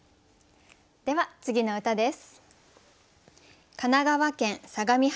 では次の歌です。